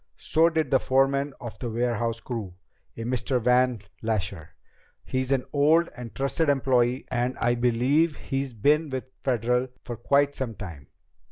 So did the foreman of the warehouse crew a Mr. Van Lasher. He's an old and trusted employee and I believe he's been with Federal for quite some time.